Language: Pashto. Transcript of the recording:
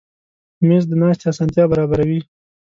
مېز د ناستې اسانتیا برابروي.